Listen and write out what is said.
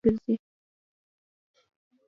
وینه په شپږ ثانیو کې ټول بدن ګرځي.